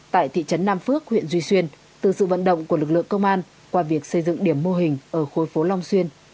tại thị trấn nam phước huyện duy xuyên từ sự vận động của lực lượng công an qua việc xây dựng điểm mô hình ở khối phố long xuyên